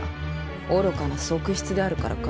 愚かな側室であるからか？